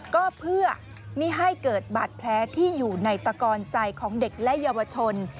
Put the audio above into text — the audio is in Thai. ก็เพื่อไม่ให้เกิดบาดแผลที่อยู่ในตะกอนใจของเด็กและเยาวชน